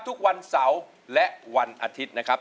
ทุกวันเสาร์และวันอาทิตย์นะครับ